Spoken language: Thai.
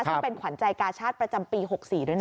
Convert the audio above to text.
ซึ่งเป็นขวัญใจกาชาติประจำปี๖๔ด้วยนะ